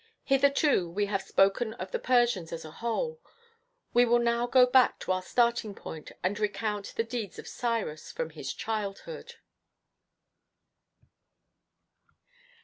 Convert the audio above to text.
Hitherto we have spoken of the Persians as a whole: we will now go back to our starting point and recount the deeds of Cyrus from his childhood.